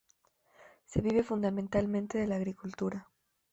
Se vive fundamentalmente de la agricultura.